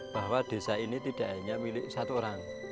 bahwa desa ini tidak hanya milik satu orang